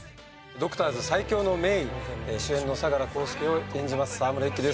『ＤＯＣＴＯＲＳ最強の名医』主演の相良浩介を演じます沢村一樹です。